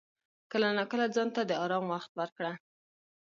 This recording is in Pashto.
کله ناکله ځان ته د آرام وخت ورکړه.